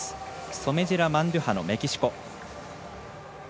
ソメジェラマンドゥハノメキシコ。